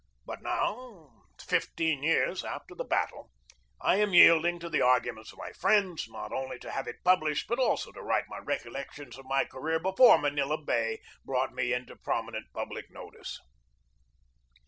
But now, fifteen years after the battle, I am yield ing to the arguments of my friends, not only to have it published, but also to write my recollections of my career before Manila Bay brought me into prominent public notice.